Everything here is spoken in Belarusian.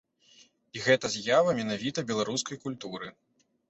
І гэта з'ява менавіта беларускай культуры!